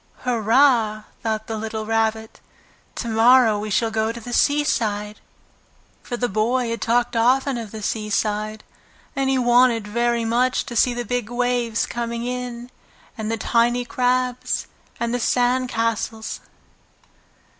"Hurrah!" thought the little Rabbit. "To morrow we shall go to the seaside!" For the boy had often talked of the seaside, and he wanted very much to see the big waves coming in, and the tiny crabs, and the sand castles.